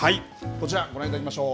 こちら、ご覧いただきましょう。